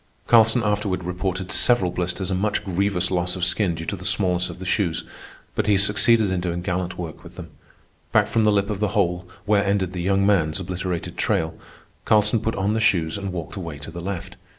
Carlson afterward reported several blisters and much grievous loss of skin due to the smallness of the shoes, but he succeeded in doing gallant work with them. Back from the lip of the hole, where ended the young man's obliterated trial, Carlson put on the shoes and walked away to the left.